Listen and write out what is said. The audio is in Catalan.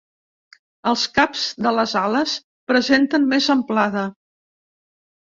Els caps de les ales presenten més amplada.